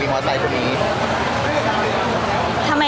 พี่ตอบได้แค่นี้จริงค่ะ